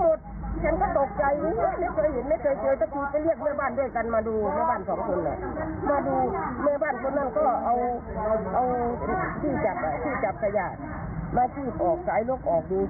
บอกกันว่าอย่าต้องบอกเธอ๒คำมันก็โทรแก้วครั้งหนึ่ง